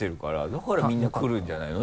だからみんな来るんじゃないの？